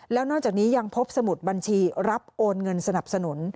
แล้วนอกจากนี้ยังพบสมุดบัญชีรับโอนเงินสนับสนุน